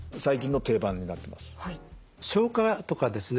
消化とかですね